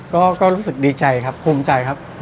ก็รู้สึกดีใจครับภูมิใจครับ